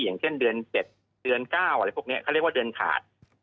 อย่างเช่นเดือน๗เดือน๙อะไรพวกนี้เขาเรียกว่าเดือนขาด